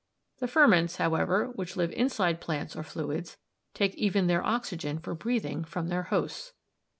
The 'ferments,' however, which live inside plants or fluids, take even their oxygen for breathing from their hosts.